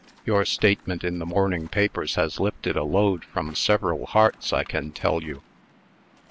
Your statement in the morning papers has lifted a load from several hearts, I can tell you.